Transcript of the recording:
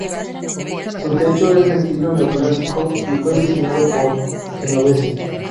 Su techo es de estilo neoclásico y fue diseñado por Genovese.